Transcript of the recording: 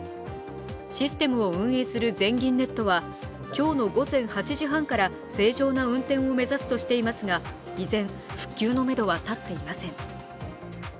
システムを運営する全銀ネットは今日の午前８時半から正常な運転を目指すとしていますが依然復旧のメドは立っていません。